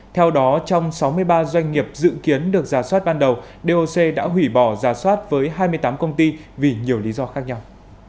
theo đó trong sáu mươi ba doanh nghiệp dự kiến được giả soát ban đầu doc đã hủy bỏ giả soát với hai mươi tám công ty vì nhiều lý do khác nhau